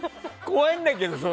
怖いんだけど。